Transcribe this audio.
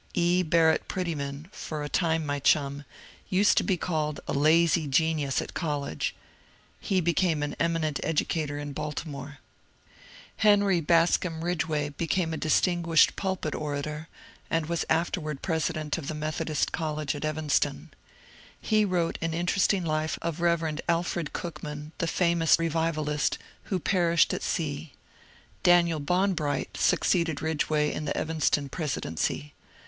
E. Barrett Prettyman, for a time my chum, used to be called ^^ a lazy genius " at college ; he became an eminent educator in Baltimore. Henry Bascom Ridgeway became a distin guished pulpit orator, and was afterward president of the Methodist college at Evanston. He wrote an interesting life of Rev. Alfred Cookman, the famous revivalist, who perished at sea. Daniel Bonbright succeeded Ridgeway in the Evanston presidency.